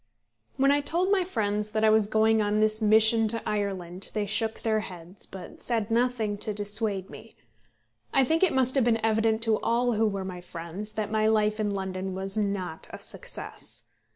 When I told my friends that I was going on this mission to Ireland they shook their heads, but said nothing to dissuade me. I think it must have been evident to all who were my friends that my life in London was not a success.